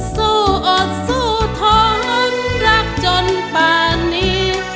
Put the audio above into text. สู้อดสู้ท้อนรักจนป่านนี้